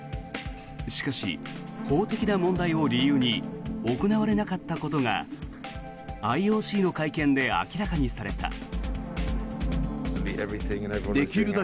しかし法的な問題を理由に行われなかったことがＩＯＣの会見で明らかにされた。